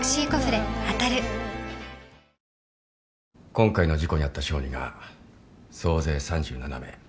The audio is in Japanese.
今回の事故に遭った小児が総勢３７名。